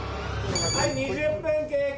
はい２０分経過。